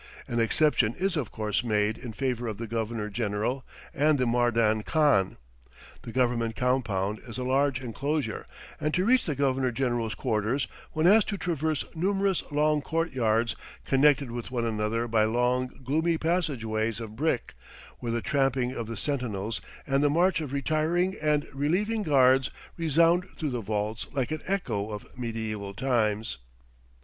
An exception is of course made in favor of the Governor General and Mardan Khan. The Government compound is a large enclosure, and to reach the Governor General's quarters one has to traverse numerous long court yards connected with one another by long, gloomy passage ways of brick, where the tramping of the sentinels and the march of retiring and relieving guards resound through the vaults like an echo of mediaeval times.